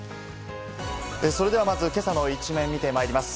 それではまず今朝の一面を見てまいります。